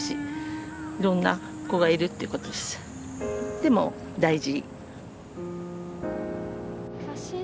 でも大事。